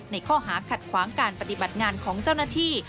ในข้อหาขัดขวางการปฏิบัติงานของเจ้าหน้าที่